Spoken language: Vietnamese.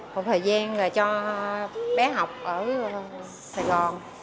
một thời gian là cho bé học ở sài gòn